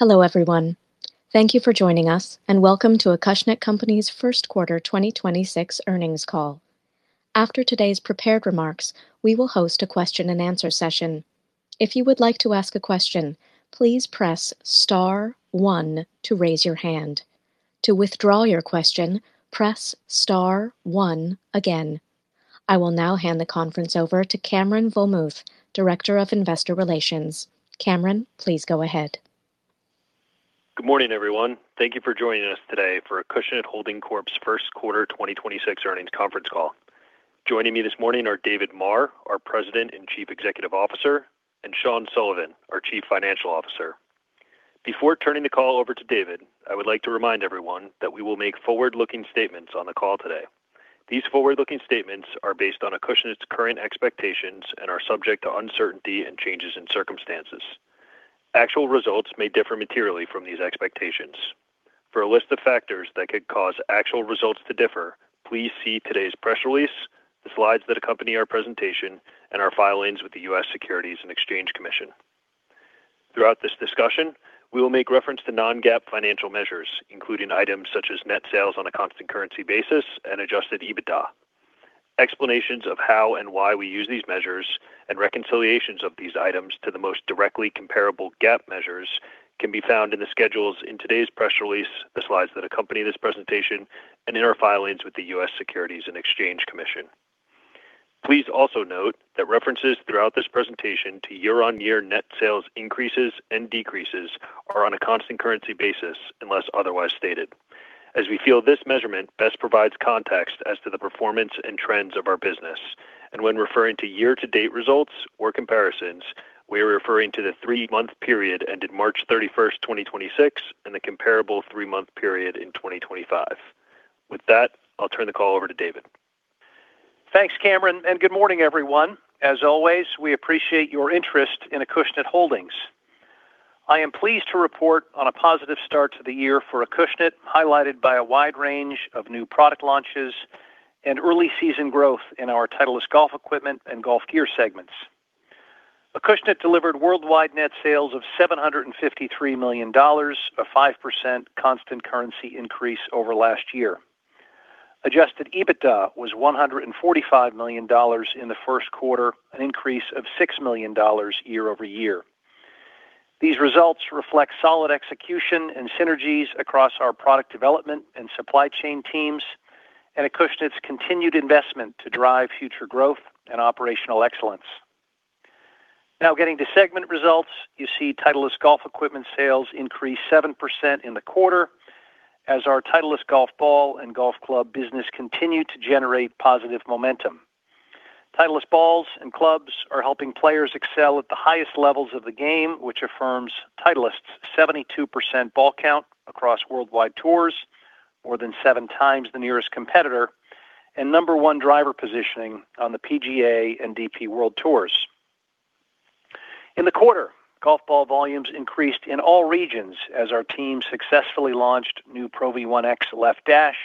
Hello, everyone. Thank you for joining us, and welcome to Acushnet Company's first quarter 2026 earnings call. After today's prepared remarks, we will host a question and answer session. If you would like to ask a question, please press star one to raise your hand. To withdraw your question, press star one again. I will now hand the conference over to Cameron Vollmuth, Director of Investor Relations. Cameron, please go ahead. Good morning, everyone. Thank you for joining us today for Acushnet Holdings Corp.'s 1st quarter 2026 earnings conference call. Joining me this morning are David Maher, our President and Chief Executive Officer, and Sean Sullivan, our Chief Financial Officer. Before turning the call over to David, I would like to remind everyone that we will make forward-looking statements on the call today. These forward-looking statements are based on Acushnet's current expectations and are subject to uncertainty and changes in circumstances. Actual results may differ materially from these expectations. For a list of factors that could cause actual results to differ, please see today's press release, the slides that accompany our presentation, and our filings with the U.S. Securities and Exchange Commission. Throughout this discussion, we will make reference to non-GAAP financial measures, including items such as net sales on a constant currency basis and adjusted EBITDA. Explanations of how and why we use these measures and reconciliations of these items to the most directly comparable GAAP measures can be found in the schedules in today's press release, the slides that accompany this presentation, and in our filings with the U.S. Securities and Exchange Commission. Please also note that references throughout this presentation to year-over-year net sales increases and decreases are on a constant currency basis unless otherwise stated, as we feel this measurement best provides context as to the performance and trends of our business. When referring to year-to-date results or comparisons, we are referring to the three month period ended March 31st, 2026, and the comparable three month period in 2025. With that, I'll turn the call over to David. Thanks, Cameron. Good morning, everyone. As always, we appreciate your interest in Acushnet Holdings. I am pleased to report on a positive start to the year for Acushnet, highlighted by a wide range of new product launches and early season growth in our Titleist golf equipment and golf gear segments. Acushnet delivered worldwide net sales of $753 million, a 5% constant currency increase over last year. Adjusted EBITDA was $145 million in the first quarter, an increase of $6 million year-over-year. These results reflect solid execution and synergies across our product development and supply chain teams and Acushnet's continued investment to drive future growth and operational excellence. Now getting to segment results. You see Titleist golf equipment sales increased 7% in the quarter as our Titleist golf ball and golf club business continued to generate positive momentum. Titleist balls and clubs are helping players excel at the highest levels of the game, which affirms Titleist's 72% ball count across worldwide tours, more than seven times the nearest competitor, and number one driver positioning on the PGA and DP World Tours. In the quarter, golf ball volumes increased in all regions as our team successfully launched new Pro V1x Left Dash,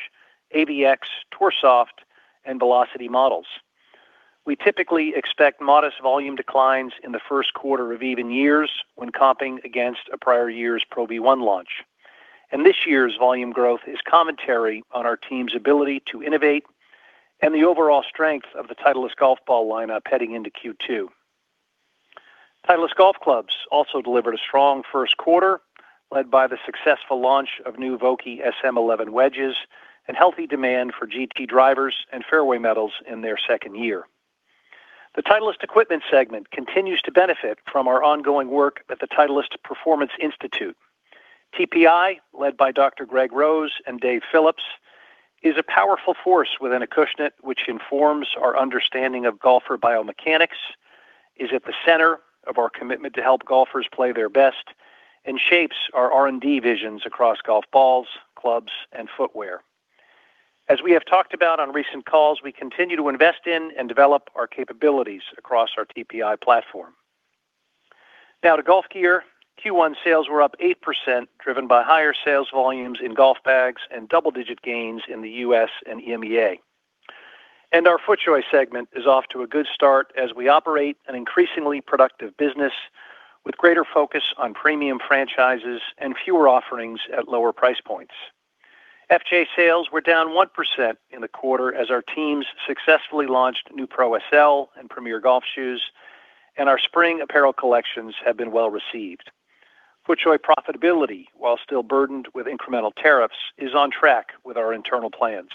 AVX, Tour Soft, and Velocity models. We typically expect modest volume declines in the first quarter of even years when comping against a prior year's Pro V1 launch, and this year's volume growth is commentary on our team's ability to innovate and the overall strength of the Titleist golf ball lineup heading into Q2. Titleist golf clubs also delivered a strong first quarter, led by the successful launch of new Vokey SM11 wedges and healthy demand for GT drivers and fairway metals in their second year. The Titleist equipment segment continues to benefit from our ongoing work at the Titleist Performance Institute. TPI, led by Dr. Greg Rose and Dave Phillips, is a powerful force within Acushnet, which informs our understanding of golfer biomechanics, is at the center of our commitment to help golfers play their best, and shapes our R&D visions across golf balls, clubs, and footwear. As we have talked about on recent calls, we continue to invest in and develop our capabilities across our TPI platform. Now to golf gear. Q1 sales were up 8%, driven by higher sales volumes in golf bags and double-digit gains in the U.S. and EMEA. Our FootJoy segment is off to a good start as we operate an increasingly productive business with greater focus on premium franchises and fewer offerings at lower price points. FJ sales were down 1% in the quarter as our teams successfully launched new Pro/SL and Premiere golf shoes, and our spring apparel collections have been well received. FootJoy profitability, while still burdened with incremental tariffs, is on track with our internal plans.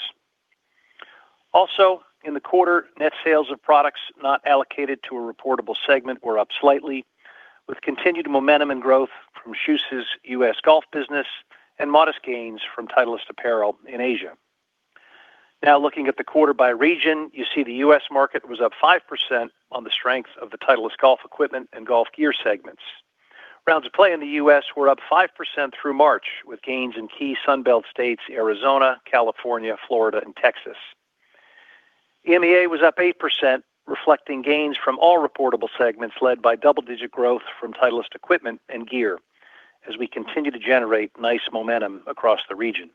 In the quarter, net sales of products not allocated to a reportable segment were up slightly, with continued momentum and growth from KJUS' U.S. golf business and modest gains from Titleist apparel in Asia. Looking at the quarter by region, you see the U.S. market was up 5% on the strength of the Titleist golf equipment and golf gear segments. Rounds of play in the U.S. were up 5% through March, with gains in key Sun Belt states Arizona, California, Florida, and Texas. EMEA was up 8%, reflecting gains from all reportable segments led by double-digit growth from Titleist equipment and gear as we continue to generate nice momentum across the region.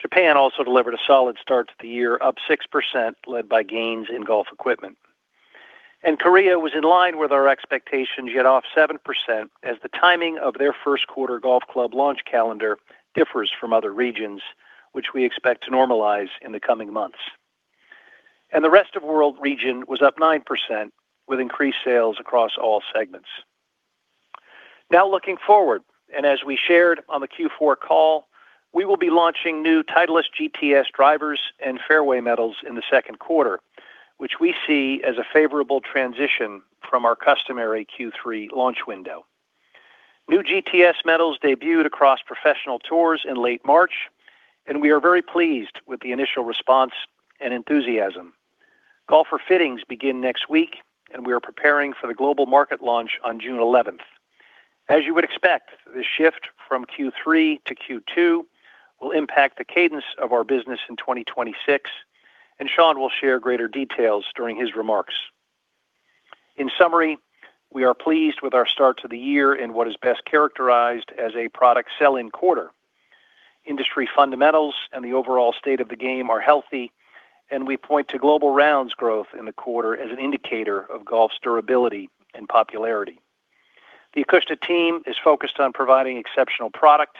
Japan also delivered a solid start to the year, up 6%, led by gains in golf equipment. Korea was in line with our expectations, yet off 7% as the timing of their first quarter golf club launch calendar differs from other regions, which we expect to normalize in the coming months. The rest of world region was up 9% with increased sales across all segments. Now looking forward, and as we shared on the Q4 call, we will be launching new Titleist GTS drivers and fairway metals in the second quarter, which we see as a favorable transition from our customary Q3 launch window. New GTS metals debuted across professional tours in late March, and we are very pleased with the initial response and enthusiasm. Golfer fittings begin next week, and we are preparing for the global market launch on June eleventh. As you would expect, the shift from Q3 to Q2 will impact the cadence of our business in 2026, and Sean will share greater details during his remarks. In summary, we are pleased with our start to the year in what is best characterized as a product selling quarter. Industry fundamentals and the overall state of the game are healthy, and we point to global rounds growth in the quarter as an indicator of golf's durability and popularity. The Acushnet team is focused on providing exceptional product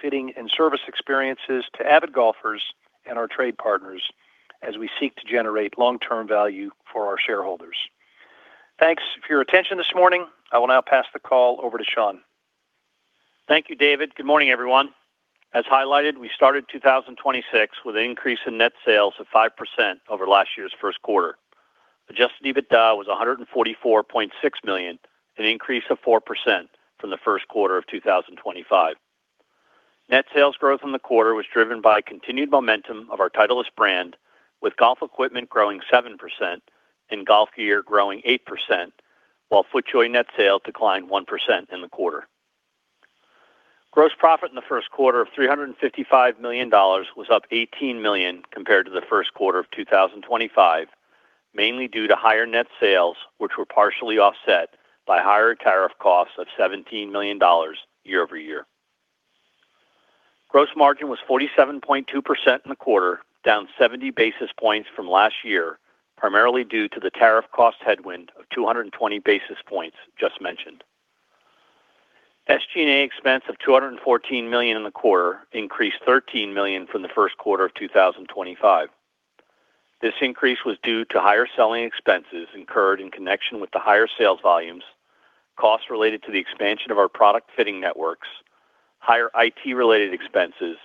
fitting and service experiences to avid golfers and our trade partners as we seek to generate long-term value for our shareholders. Thanks for your attention this morning. I will now pass the call over to Sean. Thank you, David. Good morning, everyone. As highlighted, we started 2026 with an increase in net sales of 5% over last year's first quarter. Adjusted EBITDA was $144.6 million, an increase of 4% from the first quarter of 2025. Net sales growth in the quarter was driven by continued momentum of our Titleist brand, with golf equipment growing 7% and golf gear growing 8%, while FootJoy net sales declined 1% in the quarter. Gross profit in the first quarter of $355 million was up $18 million compared to the first quarter of 2025, mainly due to higher net sales, which were partially offset by higher tariff costs of $17 million year-over-year. Gross margin was 47.2% in the quarter, down 70 basis points from last year, primarily due to the tariff cost headwind of 220 basis points just mentioned. SG&A expense of $214 million in the quarter increased $13 million from the first quarter of 2025. This increase was due to higher selling expenses incurred in connection with the higher sales volumes, costs related to the expansion of our product fitting networks, higher IT related expenses,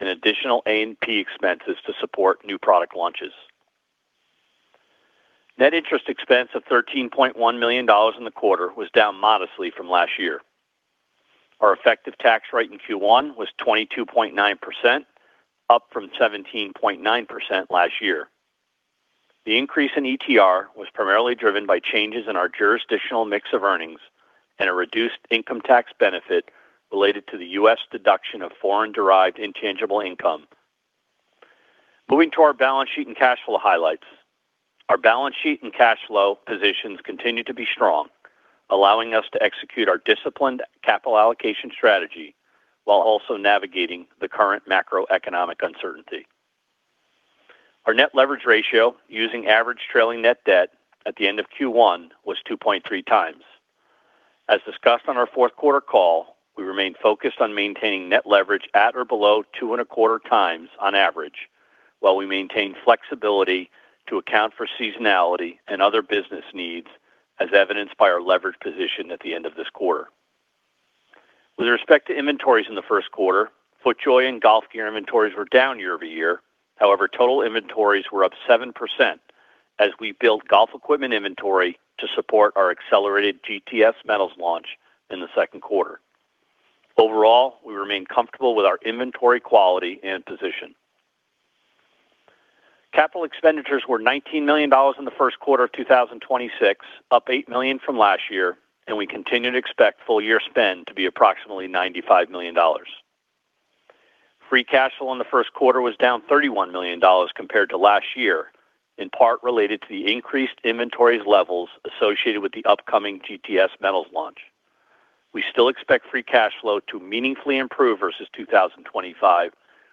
and additional A&P expenses to support new product launches. Net interest expense of $13.1 million in the quarter was down modestly from last year. Our effective tax rate in Q1 was 22.9%, up from 17.9% last year. The increase in ETR was primarily driven by changes in our jurisdictional mix of earnings and a reduced income tax benefit related to the U.S. deduction of foreign derived intangible income. Moving to our balance sheet and cash flow highlights. Our balance sheet and cash flow positions continue to be strong, allowing us to execute our disciplined capital allocation strategy while also navigating the current macroeconomic uncertainty. Our net leverage ratio using average trailing net debt at the end of Q1 was 2.3 times. As discussed on our fourth quarter call, we remain focused on maintaining net leverage at or below 2.25 times on average, while we maintain flexibility to account for seasonality and other business needs, as evidenced by our leverage position at the end of this quarter. With respect to inventories in the first quarter, FootJoy and golf gear inventories were down year-over-year. However, total inventories were up 7% as we built golf equipment inventory to support our accelerated GTS metals launch in the second quarter. Overall, we remain comfortable with our inventory quality and position. Capital expenditures were $19 million in the first quarter of 2026, up $8 million from last year, and we continue to expect full year spend to be approximately $95 million. Free cash flow in the first quarter was down $31 million compared to last year, in part related to the increased inventories levels associated with the upcoming GTS metals launch. We still expect free cash flow to meaningfully improve versus 2025,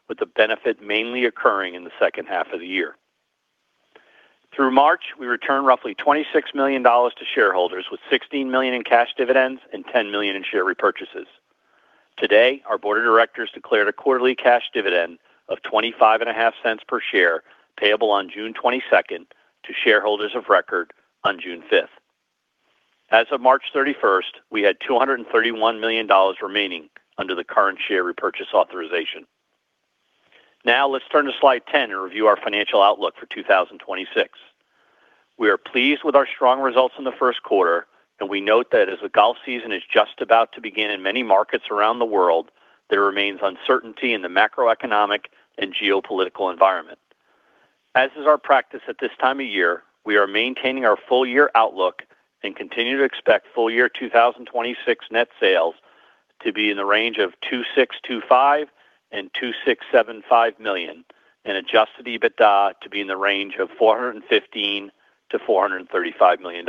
with the benefit mainly occurring in the second half of the year. Through March, we returned roughly $26 million to shareholders, with $16 million in cash dividends and $10 million in share repurchases. Today, our board of directors declared a quarterly cash dividend of $0.255 per share, payable on June 22nd to shareholders of record on June 5th. As of March 31st, we had $231 million remaining under the current share repurchase authorization. Now let's turn to slide 10 and review our financial outlook for 2026. We are pleased with our strong results in the first quarter, and we note that as the golf season is just about to begin in many markets around the world, there remains uncertainty in the macroeconomic and geopolitical environment. As is our practice at this time of year, we are maintaining our full year outlook and continue to expect full year 2026 net sales to be in the range of $2,625 million-$2,675 million and adjusted EBITDA to be in the range of $415 million-$435 million.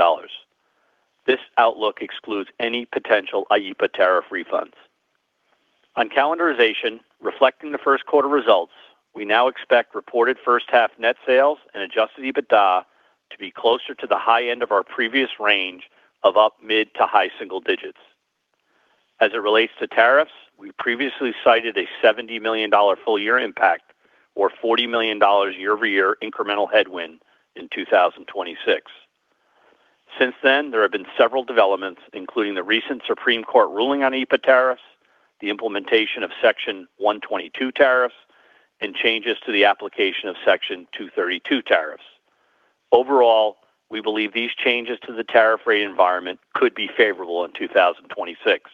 This outlook excludes any potential IEEPA tariff refunds. On calendarization, reflecting the first quarter results, we now expect reported first half net sales and adjusted EBITDA to be closer to the high end of our previous range of up mid to high single digits. As it relates to tariffs, we previously cited a $70 million full year impact or $40 million year-over-year incremental headwind in 2026. Since then, there have been several developments, including the recent Supreme Court ruling on IEEPA tariffs, the implementation of Section 122 tariffs, and changes to the application of Section 232 tariffs. Overall, we believe these changes to the tariff rate environment could be favorable in 2026.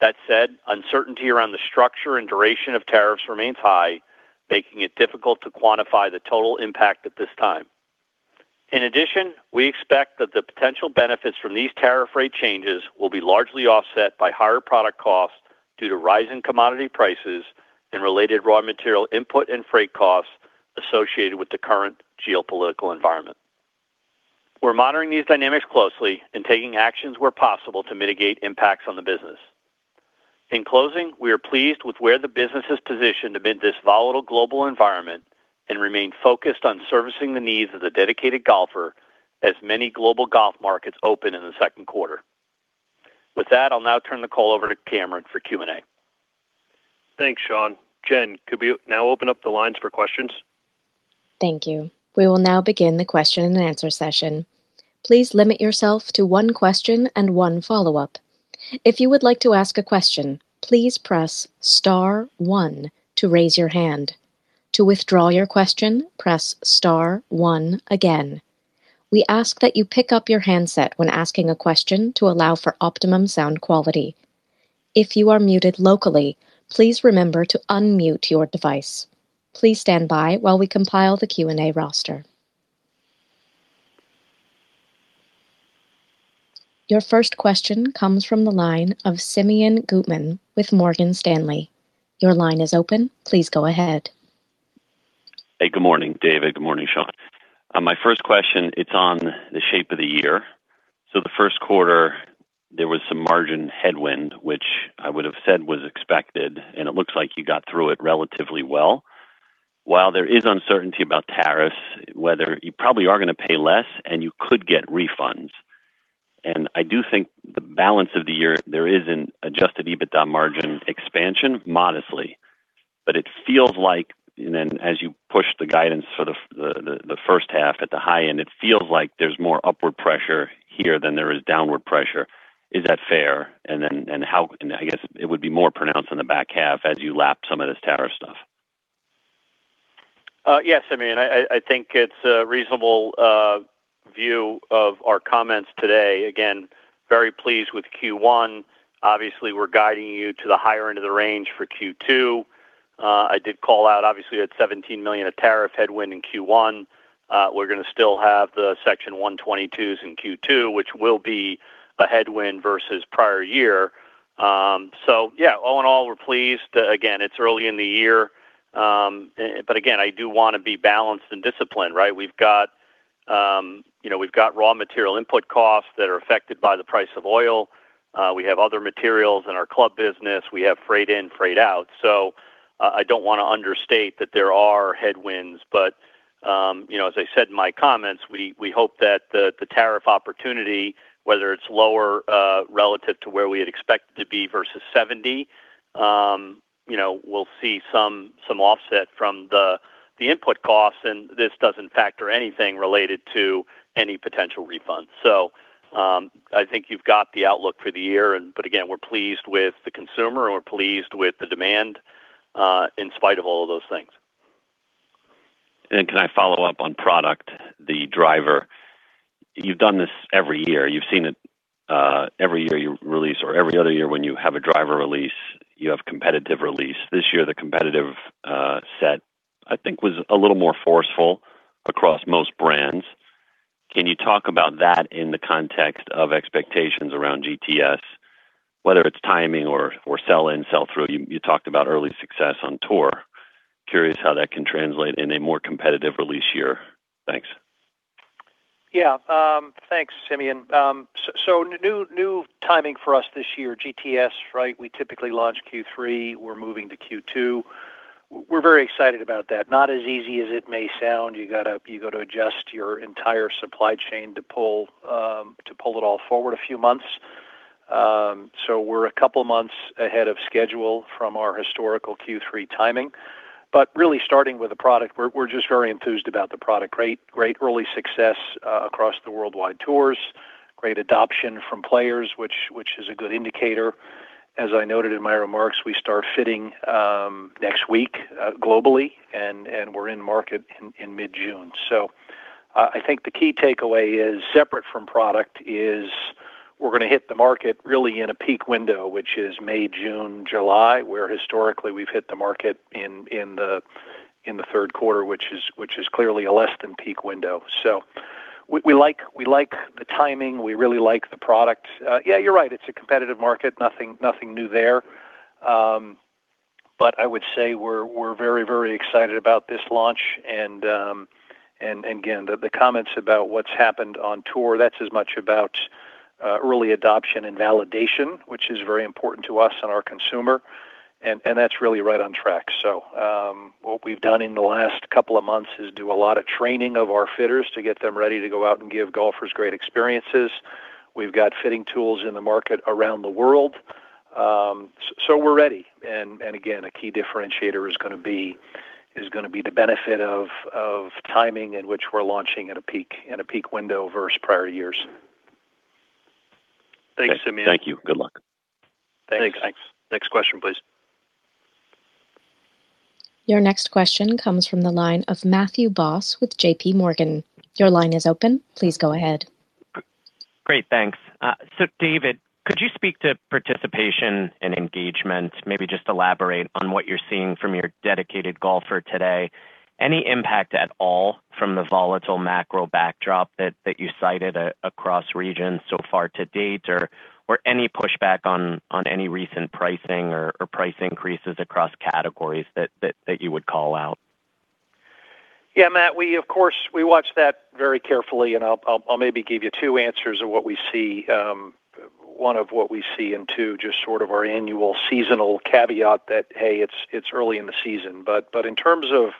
That said, uncertainty around the structure and duration of tariffs remains high, making it difficult to quantify the total impact at this time. In addition, we expect that the potential benefits from these tariff rate changes will be largely offset by higher product costs due to rising commodity prices and related raw material input and freight costs associated with the current geopolitical environment. We're monitoring these dynamics closely and taking actions where possible to mitigate impacts on the business. In closing, we are pleased with where the business is positioned amid this volatile global environment and remain focused on servicing the needs of the dedicated golfer as many global golf markets open in the second quarter. With that, I'll now turn the call over to Cameron for Q&A. Thanks, Sean. Jen, could we now open up the lines for questions? Thank you. We will now begin the question and answer session. Your first question comes from the line of Simeon Gutman with Morgan Stanley. Your line is open. Please go ahead. Hey, good morning, David. Good morning, Sean. My first question, it's on the shape of the year. The 1st quarter, there was some margin headwind, which I would have said was expected, and it looks like you got through it relatively well. While there is uncertainty about tariffs, whether you probably are gonna pay less, and you could get refunds. I do think the balance of the year, there is an adjusted EBITDA margin expansion modestly. It feels like then as you push the guidance for the 1st half at the high end, it feels like there's more upward pressure here than there is downward pressure. Is that fair? I guess it would be more pronounced in the back half as you lap some of this tariff stuff. Yes, Simeon, I think it's a reasonable view of our comments today. Again, very pleased with Q1. Obviously, we're guiding you to the higher end of the range for Q2. I did call out, obviously, that $17 million of tariff headwind in Q1. We're gonna still have the Section 122 in Q2, which will be a headwind versus prior year. Yeah, all in all, we're pleased. Again, it's early in the year, again, I do wanna be balanced and disciplined, right? We've got, you know, we've got raw material input costs that are affected by the price of oil. We have other materials in our club business. We have freight in, freight out. I don't wanna understate that there are headwinds. You know, as I said in my comments, we hope that the tariff opportunity, whether it's lower, relative to where we had expected to be versus 70, you know, we'll see some offset from the input costs, and this doesn't factor anything related to any potential refunds. I think you've got the outlook for the year. But again, we're pleased with the consumer, and we're pleased with the demand, in spite of all of those things. Can I follow up on product, the driver? You've done this every year. You've seen it, every year you release or every other year when you have a driver release, you have competitive release. This year, the competitive set I think was a little more forceful across most brands. Can you talk about that in the context of expectations around GTS, whether it's timing or sell-in, sell-through? You talked about early success on tour. Curious how that can translate in a more competitive release year. Thanks. Yeah. Thanks, Simeon. New timing for us this year, GTS, right? We typically launch Q3. We're moving to Q2. We're very excited about that. Not as easy as it may sound. You go to adjust your entire supply chain to pull, to pull it all forward a few months. We're a couple months ahead of schedule from our historical Q3 timing. Really starting with the product, we're just very enthused about the product. Great, great early success across the worldwide tours, great adoption from players, which is a good indicator. As I noted in my remarks, we start fitting next week globally, and we're in market mid-June. I think the key takeaway is separate from product is we're gonna hit the market really in a peak window, which is May, June, July, where historically we've hit the market in the third quarter, which is clearly a less than peak window. We like the timing. We really like the product. Yeah, you're right. It's a competitive market. Nothing new there. I would say we're very excited about this launch. Again, the comments about what's happened on tour, that's as much about early adoption and validation, which is very important to us and our consumer, and that's really right on track. What we've done in the last couple of months is do a lot of training of our fitters to get them ready to go out and give golfers great experiences. We've got fitting tools in the market around the world. We're ready. Again, a key differentiator is gonna be the benefit of timing in which we're launching in a peak window versus prior years. Thanks, Simeon. Thank you. Good luck. Thanks. Thanks. Next question, please. Your next question comes from the line of Matthew Boss with JPMorgan. Your line is open. Please go ahead. Great. Thanks. David, could you speak to participation and engagement, maybe just elaborate on what you're seeing from your dedicated golfer today? Any impact at all from the volatile macro backdrop that you cited across regions so far to date, or any pushback on any recent pricing or price increases across categories that you would call out? Yeah, Matt, we, of course, we watch that very carefully, and I'll maybe give you two answers of what we see. One of what we see, and two, just sort of our annual seasonal caveat that, hey, it's early in the season. But in terms of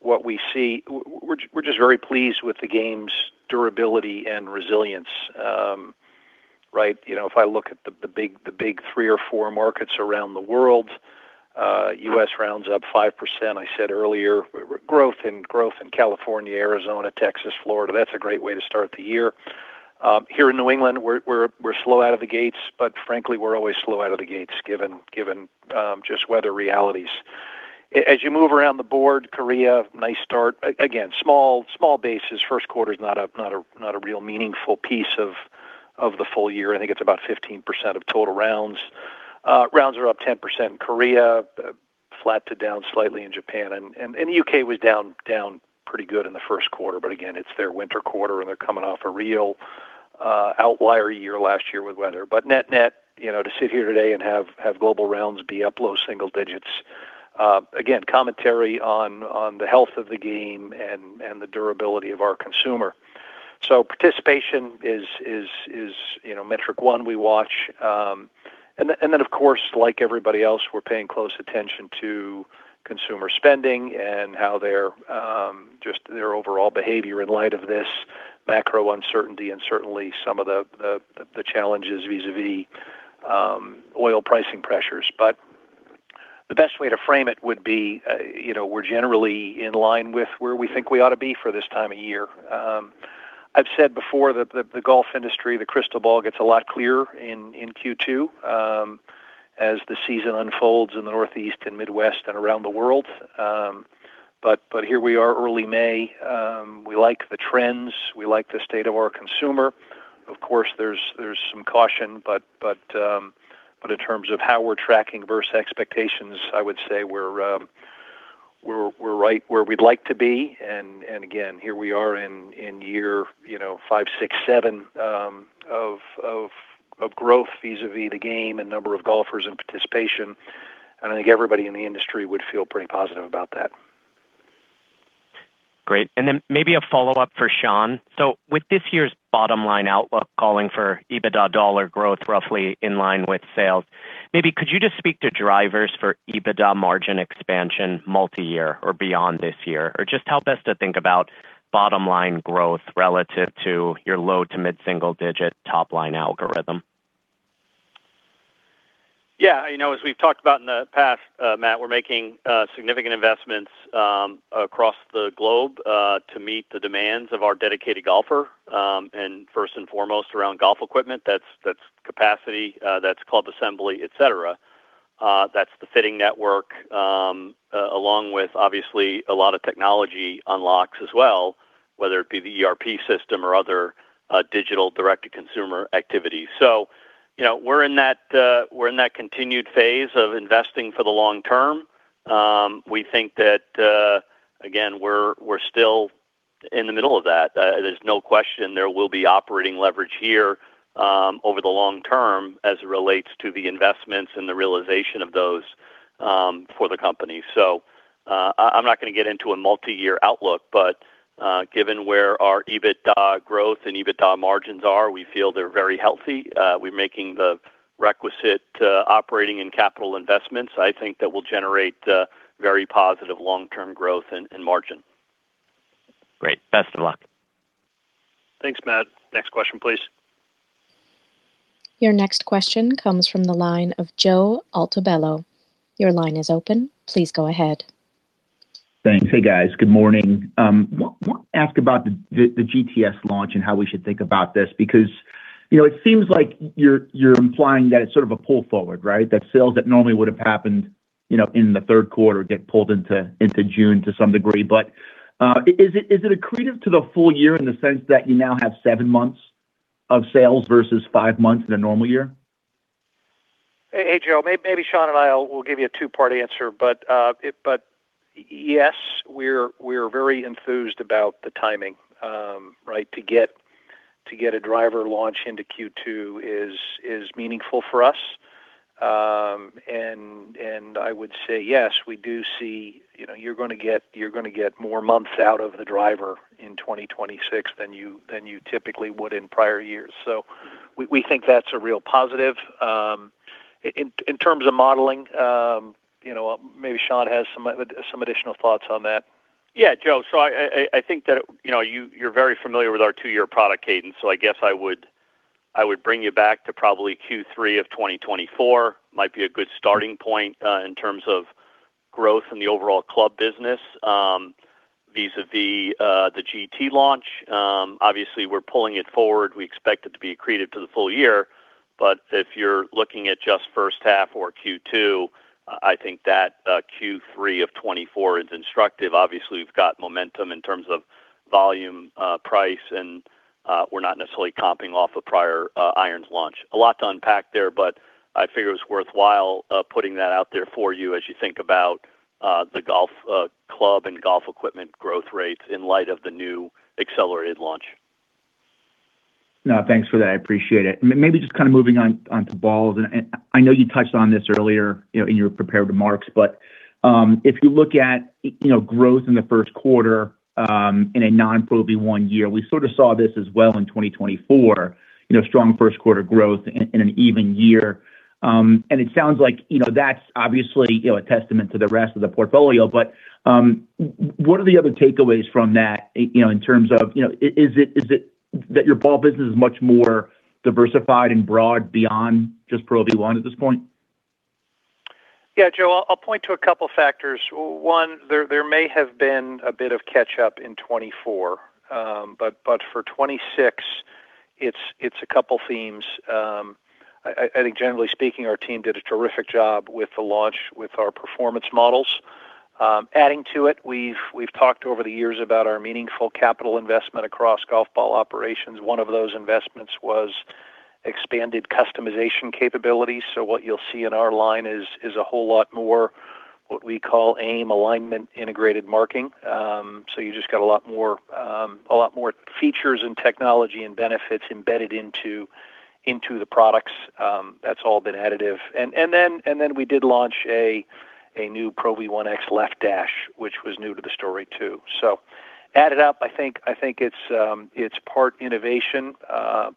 what we see, we're just very pleased with the game's durability and resilience. Right? You know, if I look at the big, the big three or four markets around the world, U.S. rounds up 5%. I said earlier, growth in California, Arizona, Texas, Florida. That's a great way to start the year. Here in New England, we're slow out of the gates, but frankly, we're always slow out of the gates given just weather realities. As you move around the board, Korea, nice start. Again, small bases. First quarter's not a real meaningful piece of the full year. I think it's about 15% of total rounds. Rounds are up 10% in Korea, flat to down slightly in Japan. The U.K. was down pretty good in the first quarter. Again, it's their winter quarter, and they're coming off a real outlier year last year with weather. Net-net, you know, to sit here today and have global rounds be up low single digits, again, commentary on the health of the game and the durability of our consumer. Participation is, you know, metric one we watch. Then of course, like everybody else, we're paying close attention to consumer spending and how their just their overall behavior in light of this macro uncertainty, and certainly some of the challenges vis-a-vis oil pricing pressures. The best way to frame it would be, you know, we're generally in line with where we think we ought to be for this time of year. I've said before that the golf industry, the crystal ball gets a lot clearer in Q2, as the season unfolds in the Northeast and Midwest and around the world. But here we are early May. We like the trends. We like the state of our consumer. Of course, there's some caution, but in terms of how we're tracking versus expectations, I would say we're right where we'd like to be. Again, here we are in year, you know, five, six, seven, of growth vis-a-vis the game and number of golfers and participation, and I think everybody in the industry would feel pretty positive about that. Great. Maybe a follow-up for Sean. With this year's bottom line outlook calling for EBITDA dollar growth roughly in line with sales, maybe could you just speak to drivers for EBITDA margin expansion multi-year or beyond this year? Or just help us to think about bottom line growth relative to your low to mid single digit top line algorithm? Yeah. You know, as we've talked about in the past, Matt, we're making significant investments across the globe to meet the demands of our dedicated golfer, and first and foremost around golf equipment. That's capacity, that's club assembly, et cetera. That's the fitting network, along with obviously a lot of technology unlocks as well, whether it be the ERP system or other digital direct to consumer activity. You know, we're in that continued phase of investing for the long term. We think that again, we're still in the middle of that. There's no question there will be operating leverage here over the long term as it relates to the investments and the realization of those for the company. I'm not gonna get into a multi-year outlook, but given where our EBITDA growth and EBITDA margins are, we feel they're very healthy. We're making the requisite operating and capital investments, I think, that will generate very positive long-term growth and margin. Great. Best of luck. Thanks, Matthew. Next question, please. Your next question comes from the line of Joe Altobello. Your line is open. Please go ahead. Thanks. Hey, guys. Good morning. Want to ask about the GTS launch and how we should think about this because, you know, it seems like you're implying that it's sort of a pull forward, right? Sales that normally would have happened, you know, in the third quarter get pulled into June to some degree. Is it accretive to the full year in the sense that you now have seven months of sales versus five months in a normal year? Hey, Joe, maybe Sean and I will give you a two-part answer. Yes, we're very enthused about the timing, right, to get To get a driver launch into Q2 is meaningful for us. I would say yes, we do see You know, you're gonna get more months out of the driver in 2026 than you typically would in prior years. We think that's a real positive. In terms of modeling, you know, maybe Sean has some additional thoughts on that. Joe, I think that, you know, you're very familiar with our two year product cadence, so I guess I would bring you back to probably Q3 of 2024, might be a good starting point, in terms of growth in the overall club business, vis-a-vis, the GT launch. Obviously we're pulling it forward. We expect it to be accretive to the full year. If you're looking at just first half or Q2, I think that, Q3 of 2024 is instructive. We've got momentum in terms of volume, price, and, we're not necessarily comping off a prior, irons launch. A lot to unpack there, but I figure it's worthwhile, putting that out there for you as you think about the golf club and golf equipment growth rates in light of the new accelerated launch. No, thanks for that. I appreciate it. Maybe just kind of moving on to balls. I know you touched on this earlier, you know, in your prepared remarks. If you look at, you know, growth in the first quarter, in a non-Pro V1 year, we sort of saw this as well in 2024, you know, strong first quarter growth in an even year. It sounds like, you know, that's obviously, you know, a testament to the rest of the portfolio. What are the other takeaways from that, you know, in terms of You know, is it, is it that your ball business is much more diversified and broad beyond just Pro V1 at this point? Yeah, Joe, I'll point to a couple factors. One, there may have been a bit of catch-up in 2024. For 2026, it's a couple themes. I think generally speaking, our team did a terrific job with the launch with our performance models. Adding to it, we've talked over the years about our meaningful capital investment across golf ball operations. One of those investments was expanded customization capabilities. What you'll see in our line is a whole lot more what we call AIM alignment integrated marking. You just got a lot more, a lot more features and technology and benefits embedded into the products. That's all been additive. We did launch a new Pro V1x Left Dash, which was new to the story too. Added up, I think it's part innovation,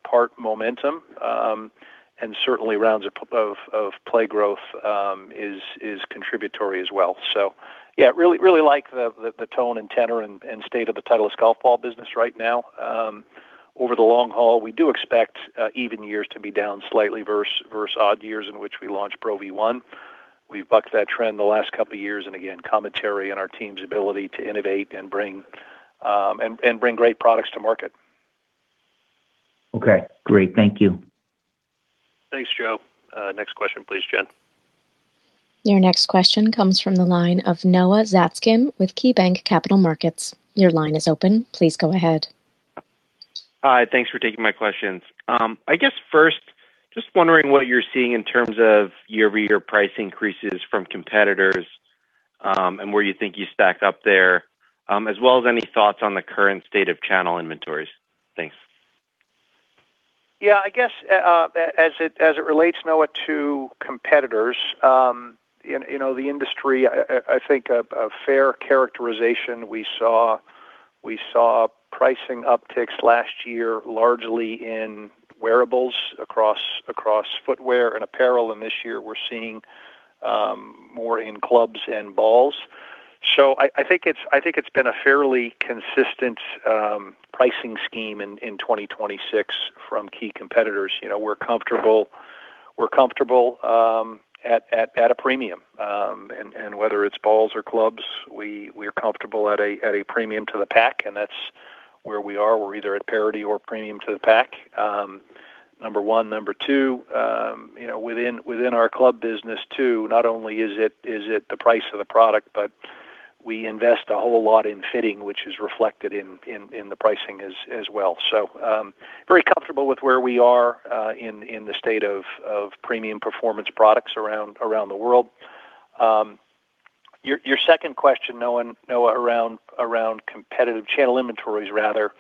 part momentum, and certainly rounds of play growth is contributory as well. Yeah, really like the tone and tenor and state of the Titleist golf ball business right now. Over the long haul, we do expect even years to be down slightly versus odd years in which we launch Pro V1. We've bucked that trend the last couple of years, and again, commentary on our team's ability to innovate and bring great products to market. Okay, great. Thank you. Thanks, Joe. Next question, please, Jen. Your next question comes from the line of Noah Zatzkin with KeyBanc Capital Markets. Your line is open. Please go ahead. Hi. Thanks for taking my questions. I guess first, just wondering what you're seeing in terms of year-over-year price increases from competitors, where you think you stack up there, as well as any thoughts on the current state of channel inventories. Thanks. Yeah, I guess, as it relates, Noah, to competitors, you know, the industry, I think a fair characterization, we saw pricing upticks last year, largely in wearables across footwear and apparel. This year we're seeing more in clubs and balls. I think it's been a fairly consistent pricing scheme in 2026 from key competitors. You know, we're comfortable at a premium. Whether it's balls or clubs, we're comfortable at a premium to the pack, and that's where we are. We're either at parity or premium to the pack, number one. Number two, you know, within our club business too, not only is it the price of the product, but we invest a whole lot in fitting, which is reflected in the pricing as well. Very comfortable with where we are in the state of premium performance products around the world. Your second question, Noah, around competitive channel inventories rather.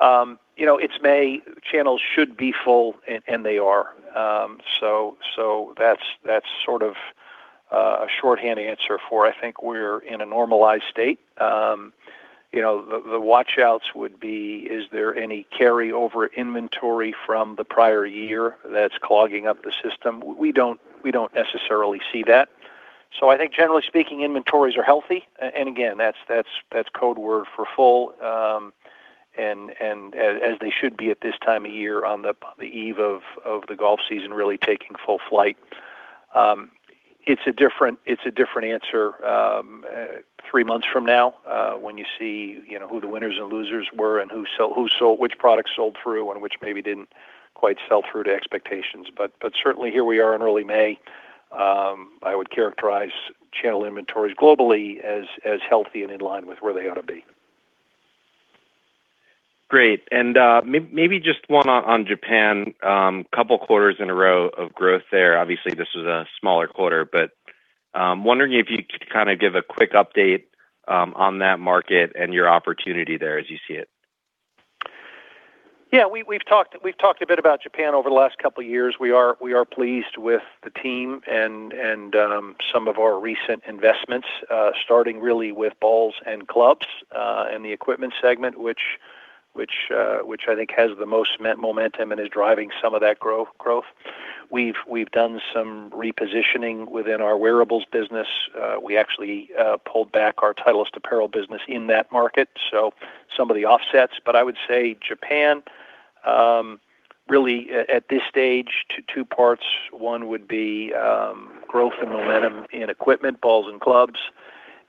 You know, it's May, channels should be full and they are. That's sort of a shorthand answer for I think we're in a normalized state. You know, the watch outs would be, is there any carryover inventory from the prior year that's clogging up the system? We don't necessarily see that. I think generally speaking, inventories are healthy. Again, that's code word for full, as they should be at this time of year on the eve of the golf season really taking full flight. It's a different answer three months from now, when you see, you know, who the winners and losers were and who sold, which products sold through and which maybe didn't quite sell through to expectations. Certainly here we are in early May, I would characterize channel inventories globally as healthy and in line with where they ought to be. Great. Maybe just one on Japan. Couple quarters in a row of growth there. Obviously, this was a smaller quarter, but wondering if you could kind of give a quick update on that market and your opportunity there as you see it. We've talked a bit about Japan over the last two years. We are pleased with the team and some of our recent investments, starting really with balls and clubs, in the equipment segment, which I think has the most momentum and is driving some of that growth. We've done some repositioning within our wearables business. We actually pulled back our Titleist apparel business in that market, so some of the offsets. I would say Japan, really at this stage, two parts. One would be growth and momentum in equipment, balls and clubs,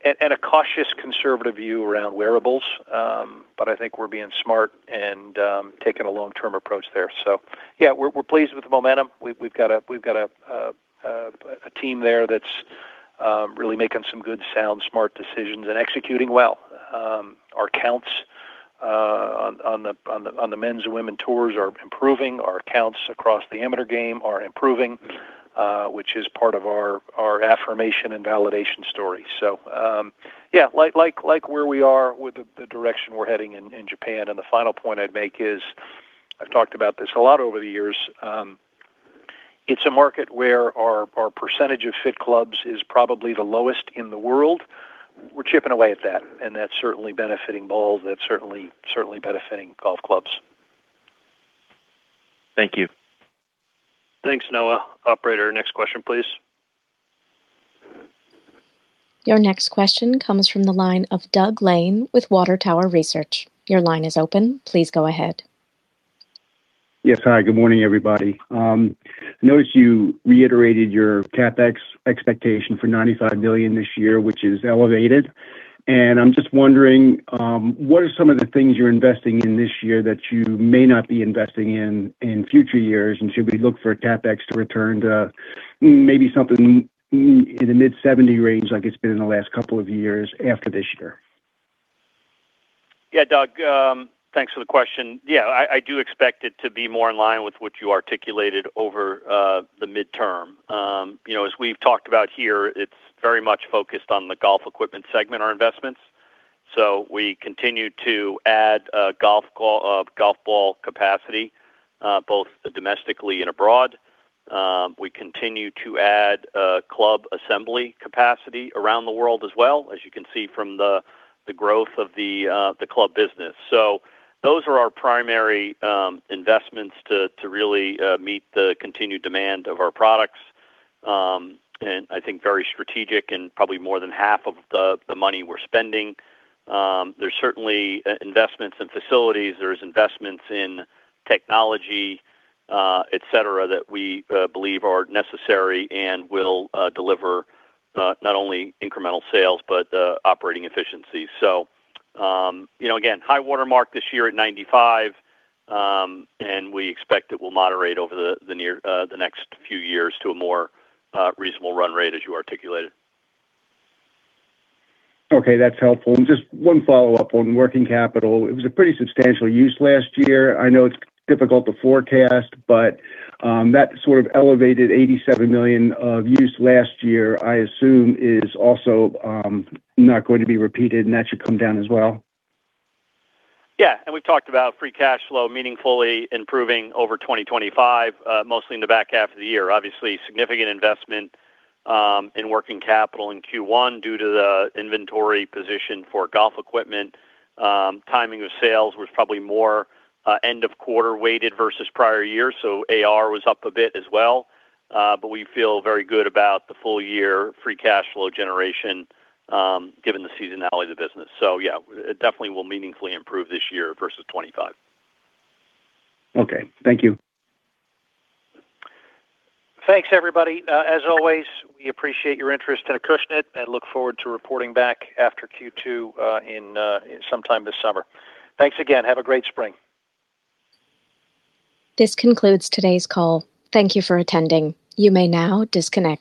and a cautious conservative view around wearables. I think we're being smart and taking a long-term approach there. Yeah, we're pleased with the momentum. We've got a team there that's really making some good, sound, smart decisions and executing well. Our counts on the men's and women tours are improving. Our counts across the amateur game are improving, which is part of our affirmation and validation story. Yeah, like where we are with the direction we're heading in Japan, and the final point I'd make is, I've talked about this a lot over the years, it's a market where our percentage of fit clubs is probably the lowest in the world. We're chipping away at that's certainly benefiting balls. That's certainly benefiting golf clubs. Thank you. Thanks, Noah. Operator, next question, please. Your next question comes from the line of Doug Lane with Water Tower Research. Your line is open. Please go ahead. Yes. Hi, good morning, everybody. Noticed you reiterated your CapEx expectation for $95 million this year, which is elevated, and I'm just wondering, what are some of the things you're investing in this year that you may not be investing in in future years, and should we look for CapEx to return to maybe something in the $70 million range like it's been in the last couple of years after this year? Yeah, Doug, thanks for the question. I do expect it to be more in line with what you articulated over the midterm. You know, as we've talked about here, it's very much focused on the golf equipment segment, our investments. We continue to add golf ball capacity both domestically and abroad. We continue to add club assembly capacity around the world as well, as you can see from the growth of the club business. Those are our primary investments to really meet the continued demand of our products, and I think very strategic and probably more than half of the money we're spending. There's certainly investments in facilities. There's investments in technology, et cetera, that we believe are necessary and will deliver not only incremental sales but operating efficiency. You know again high watermark this year at 95 and we expect it will moderate over the near the next few years to a more reasonable run rate as you articulated. Okay, that's helpful. Just one follow-up on working capital. It was a pretty substantial use last year. I know it's difficult to forecast, but that sort of elevated $87 million of use last year, I assume is also not going to be repeated, and that should come down as well. Yeah. We've talked about free cash flow meaningfully improving over 2025, mostly in the back half of the year. Obviously, significant investment in working capital in Q1 due to the inventory position for golf equipment. Timing of sales was probably more end of quarter weighted versus prior years, so AR was up a bit as well. We feel very good about the full year free cash flow generation, given the seasonality of the business. Yeah, it definitely will meaningfully improve this year versus 2025. Okay. Thank you. Thanks, everybody. As always, we appreciate your interest in Acushnet and look forward to reporting back after Q2, in sometime this summer. Thanks again. Have a great spring. This concludes today's call. Thank you for attending. You may now disconnect.